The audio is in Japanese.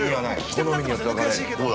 好みによって分かれる。